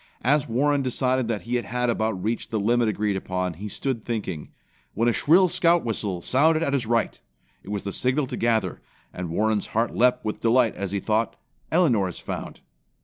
As Warren decided that he had about reached the limit agreed upon, he stood thinking, when the shrill Scout whistle sounded at his right. It was the signal to gather, and Warren's heart leaped with delight as he thought, "Elinor is found."